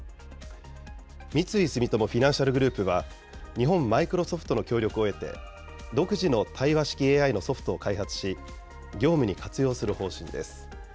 三井住友フィナンシャルグループは、日本マイクロソフトの協力を得て、独自の対話式ＡＩのソフトを開発し、業務に活用する方針です。